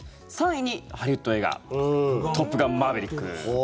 ３位にハリウッド映画「トップガンマーヴェリック」。